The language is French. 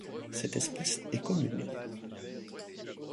Cette espèce est commune.